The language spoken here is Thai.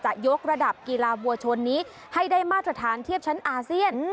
ยกระดับกีฬาวัวชนนี้ให้ได้มาตรฐานเทียบชั้นอาเซียน